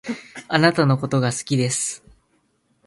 貴方のことが好きです